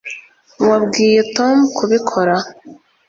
wabwiye tom kubikora